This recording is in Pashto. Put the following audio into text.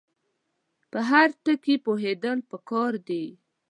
په هر ټکي پوهېدل پکار دي.